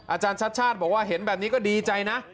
อาจารย์ชัดชาติบอกว่าเห็นแบบนี้ก็ดีใจนะ